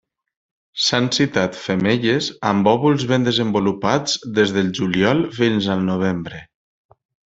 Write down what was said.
S'han citat femelles amb òvuls ben desenvolupats des del juliol fins al novembre.